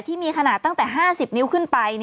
ที่มีขนาดตั้งแต่๕๐นิ้วขึ้นไป